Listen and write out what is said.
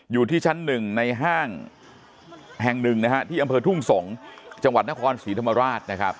อยู่ที่ชั้นหนึ่งในห้างแห่งหนึ่งนะฮะที่อำเภอทุ่งสงศ์จังหวัดนครศรีธรรมราชนะครับ